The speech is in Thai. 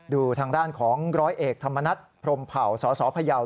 ดูทางด้านของร้อยเอกธรรมนัฐพรมเผ่าสสพยาว